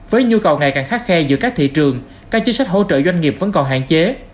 với nhu cầu ngày càng khắc khe giữa các thị trường các chính sách hỗ trợ doanh nghiệp vẫn còn hạn chế